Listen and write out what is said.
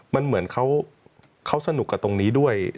มันเหมือนเขาสนุกกับตรงนี้ด้วย